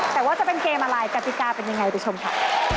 แต่ว่าจะเป็นเกมอะไรกติกาเป็นยังไงไปชมค่ะ